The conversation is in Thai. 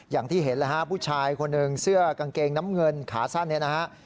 อย่างที่เห็นแล้วฮะผู้ชายคนหนึ่งเสื้อกางเกงน้ำเงินขาสั้นเนี่ยนะฮะ